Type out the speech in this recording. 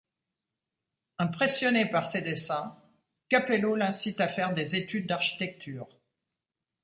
Impressionné par ses dessins, Capello l'incite à faire des études d'architecture.